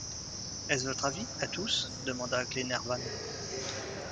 Est-ce votre avis, à tous? demanda Glenarvan.